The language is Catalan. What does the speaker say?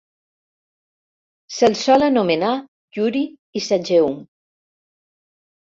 Se'l sol anomenar Yuri Isageum.